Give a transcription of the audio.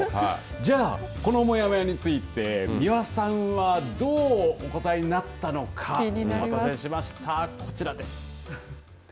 じゃあ、このもやもやについて美輪さんはどうお答えになったのかお待たせしました、こちらです。